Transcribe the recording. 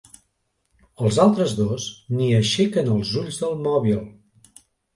Els altres dos ni aixequen els ulls del mòbil.